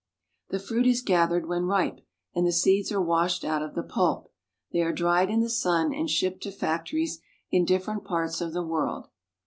The fruit is gathered when ripe, and the seeds are washed out of the pulp. They are dried in the sun and shipped to factories in different parts of the world.